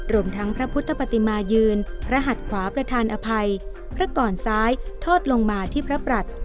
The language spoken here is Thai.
รวมทั้งพระพุทธปฏิมายืนพระหัดขวาประธานอภัยพระก่อนซ้ายทอดลงมาที่พระปรัช